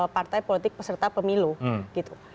partai politik peserta pemilu